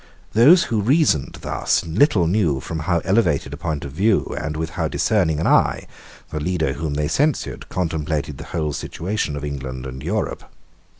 Those who reasoned thus little knew from how elevated a point of view, and with how discerning an eye, the leader whom they censured contemplated the whole situation of England and Europe.